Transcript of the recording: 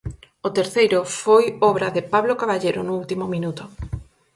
O terceiro foi obra de Pablo Caballero no último minuto.